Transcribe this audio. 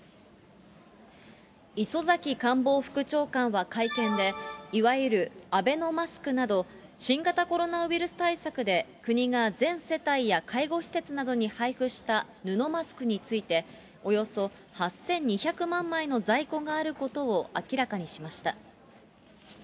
磯崎官房副長官は会見で、いわゆるアベノマスクなど、新型コロナウイルス対策で国が全世帯や介護施設などに配布した布マスクについて、およそ８２００万枚の在庫があることを明らかにしました。